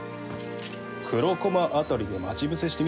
黒駒辺りで待ち伏せしてみては？